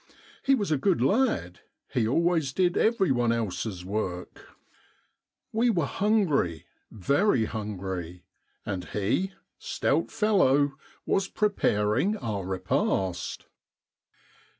He was a good lad— he always did every one else's work. We were hungry — very hungry — and he, stout fellow, was preparing our repast.